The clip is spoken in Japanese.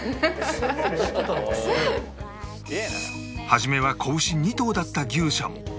初めは子牛２頭だった牛舎も現在では